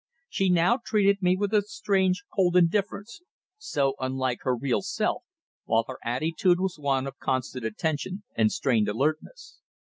She now treated me with a strange, cold indifference, so unlike her real self, while her attitude was one of constant attention and strained alertness.